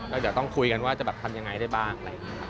ก็จะต้องคุยกันว่าจะทำอย่างไรได้บ้าง